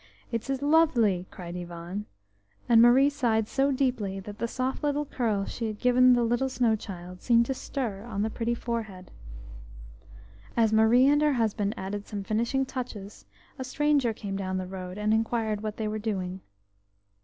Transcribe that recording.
"It is lovely!" cried Ivan, and Marie sighed so deeply that the soft little curls she had given the little snow child seemed to stir on the pretty forehead. As Marie and her husband added some finishing touches, a stranger came down the road, and inquired what they were doing.